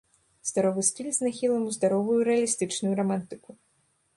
Здаровы стыль з нахілам у здаровую рэалістычную рамантыку.